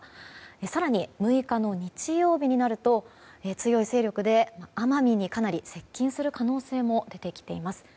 更に６日の日曜日になると強い勢力で奄美にかなり接近する可能性も出てきています。